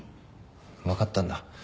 分かったんだ。